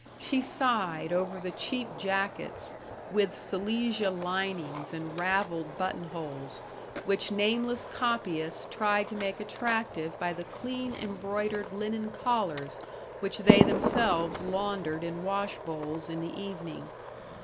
She sighed over the cheap jackets, with silesia linings and raveled buttonholes, which nameless copyists tried to make attractive by the clean embroidered linen collars which they themselves laundered in wash bowls in the evening.